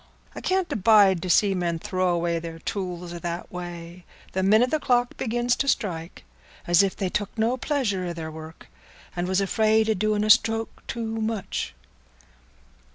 I can't abide to see men throw away their tools i' that way, the minute the clock begins to strike, as if they took no pleasure i' their work and was afraid o' doing a stroke too much."